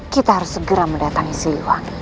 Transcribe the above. kita harus segera mendatangi siliwan